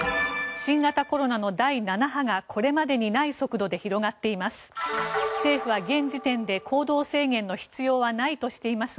新型コロナの第７波がこれまでにない速度で広がっています。